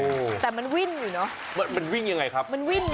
โอเคแต่มันวิ่งอยู่เนอะมันวิ่งยังไงครับ